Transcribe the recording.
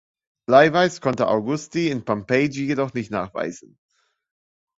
Bleiweiß konnte Augusti in Pompeji jedoch nicht nachweisen.